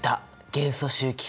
元素周期表。